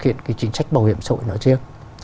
hiện cái chính sách bảo hiểm xã hội nói riêng